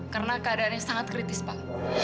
karena keadaannya sangat kritis pak